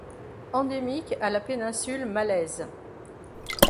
Endémique à la Péninsule Malaise.